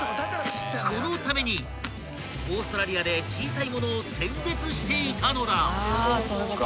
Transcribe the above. ［このためにオーストラリアで小さい物を選別していたのだ］